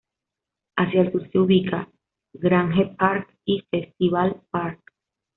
Hacia el sur se ubica Grange Park y Festival Park.